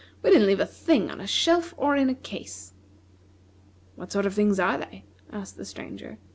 We didn't leave a thing on a shelf or in a case." "What sort of things are they," asked the Stranger.